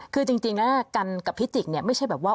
คือจริงนะกันกับพิจิกษ์ไม่ใช่แบบว่า